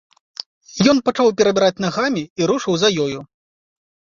Ён пачаў перабіраць нагамі і рушыў за ёю.